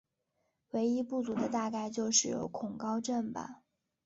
唯一不足的大概就是有惧高症吧。